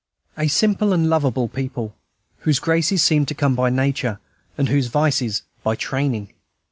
A simple and lovable people, whose graces seem to come by nature, and whose vices by training.